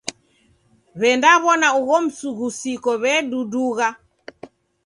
W'endaw'ona ugho msughusiko w'edudugha.